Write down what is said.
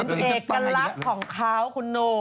เอกลักษณ์ของเขาคุณโน้ม